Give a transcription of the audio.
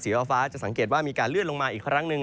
ฟ้าจะสังเกตว่ามีการเลื่อนลงมาอีกครั้งหนึ่ง